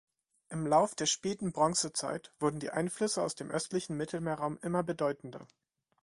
Im Lauf der späten Bronzezeit wurden die Einflüsse aus dem östlichen Mittelmeerraum immer bedeutender.